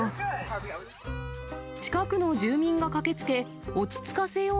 近くの住民が駆けつけ、落ち着いてるよ！